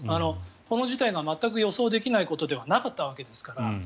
この事態が全く予想できないことではなかったわけですから。